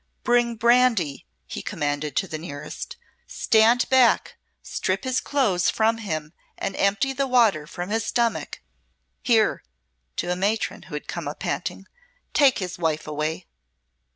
"Bring brandy," he commanded the nearest. "Stand back; strip his clothes from him and empty the water from his stomach. Here," to a matron who had come up panting, "take his wife away."